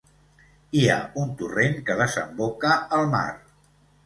Hi ha un torrent, que desemboca al mar.